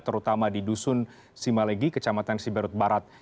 terutama di dusun simalegi kecamatan siberut barat